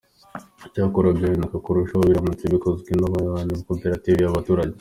icyakora byahenduka kurushaho biramutse bikozwe n’amakoperative y’abaturage.